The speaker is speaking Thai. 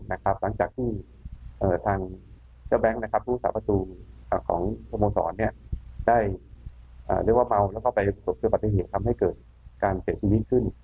หลังจากที่ทางเจ้าแบงค์ผู้สาประตูของโทโมศรได้เกิดเกิดการเสียชีวิตขึ้น